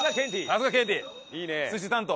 さすがケンティー！寿司担当。